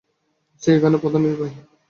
সে এখানের প্রধান নির্বাহী।